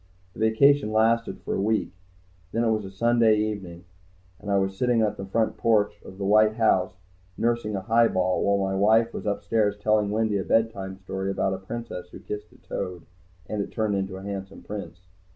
The vacation lasted for a week. Then it was a Sunday evening, and I was sitting on the front porch of the white house nursing a highball while my wife was upstairs telling Wendy a bedtime story about a princess who kissed a toad, and it turned into a handsome prince.